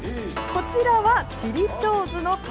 こちらはちりちょうずの型。